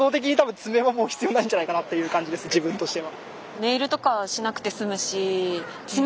自分としては。